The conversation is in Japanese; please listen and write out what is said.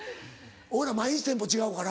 俺毎日テンポ違うから。